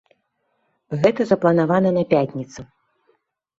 Гэта запланавана на пятніцу.